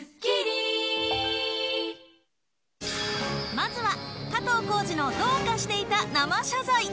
まずは加藤浩次のどうかしていた生謝罪。